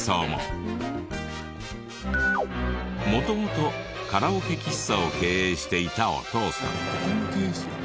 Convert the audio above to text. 元々カラオケ喫茶を経営していたお父さん。